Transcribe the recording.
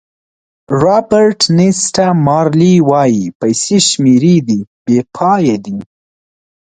رابرټ نیسټه مارلې وایي پیسې شمېرې دي بې پایه دي.